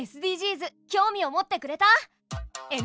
ＳＤＧｓ興味を持ってくれた？